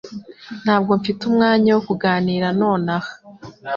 Ntabwo mfite umwanya wo kuganira nonaha